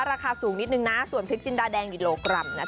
ราคาสูงนิดนึงนะส่วนพริกจินดาแดงกิโลกรัมนะจ